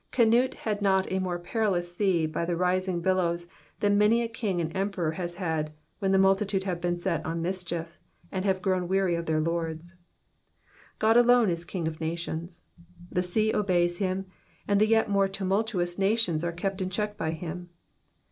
Canute had not a more perilous seat by the rising billows than many a king and emperor has had when the multitude have been set on mischief, and have grown weary of their lords. God alone is King of nations. The sea obeys him, and the yet more tumultuous nations are kept in check by him.